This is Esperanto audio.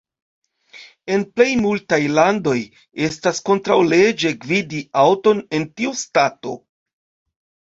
En plej multaj landoj, estas kontraŭleĝe gvidi aŭton en tiu stato.